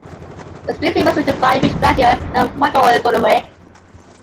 The screenplay was written by Mitch Glazer and Michael O'Donoghue.